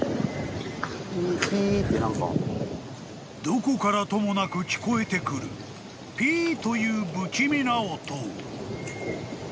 ［どこからともなく聞こえてくるピーという］